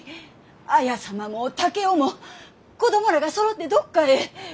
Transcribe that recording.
綾様も竹雄も子供らがそろってどっかへ！